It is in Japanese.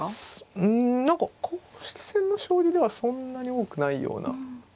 うん何か公式戦の将棋ではそんなに多くないような。